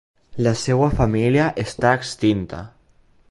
La seua família està extinta.